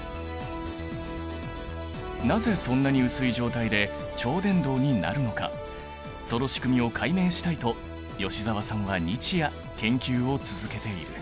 なぜそんなに薄い状態で超伝導になるのかその仕組みを解明したいと吉澤さんは日夜研究を続けている。